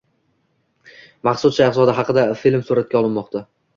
Maqsud Shayxzoda haqida film suratga olinmoqda